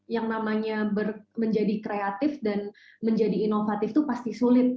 yang namanya menjadi kreatif dan menjadi inovatif itu pasti sulit